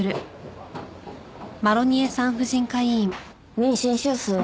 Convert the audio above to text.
妊娠週数は？